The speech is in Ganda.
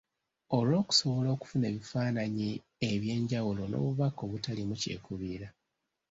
Olw’okusobola okufuna ebifaananyi eby’enjawulo n’obubaka obutaliimu kyekubiira.